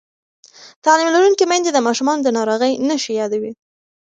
تعلیم لرونکې میندې د ماشومانو د ناروغۍ نښې یادوي.